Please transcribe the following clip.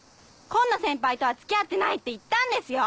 紺野先輩とは付き合ってないって言ったんですよ！